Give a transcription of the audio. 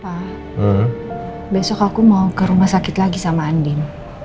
pak besok aku mau ke rumah sakit lagi sama andin